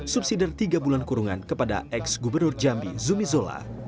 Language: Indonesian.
subsidi tiga bulan kurungan kepada ex gubernur jambi zumi zola